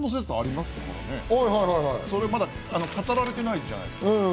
まだそれ語られてないじゃないですか。